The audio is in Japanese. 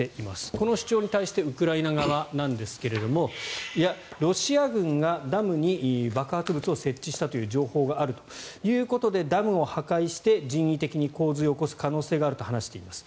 この主張に対してウクライナ側なんですがいや、ロシア軍がダムに爆発物を設置したという情報があるということでダムを破壊して人為的に洪水を起こす可能性があると話しています。